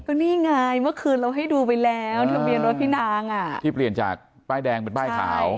ก็นี่ไงเมื่อคืนเราให้ดูไปแล้วทะเบียนรถพี่นางอ่ะที่เปลี่ยนจากป้ายแดงเป็นป้ายขาว